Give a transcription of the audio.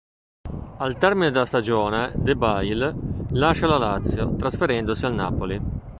Al termine della stagione De Bail lascia la Lazio, trasferendosi al Napoli.